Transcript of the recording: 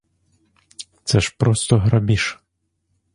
Це ж просто грабіж!